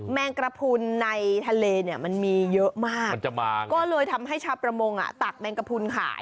แมงกระพุนในทะเลเนี่ยมันมีเยอะมากมันจะมาก็เลยทำให้ชาวประมงอ่ะตักแมงกระพุนขาย